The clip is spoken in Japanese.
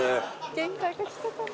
「限界が来たかな？」